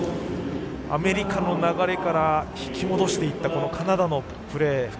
アメリカの流れから引き戻していったこのカナダのプレー。